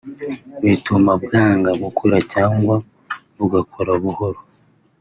bituma bwanga gukora cyangwa bugakora buhoro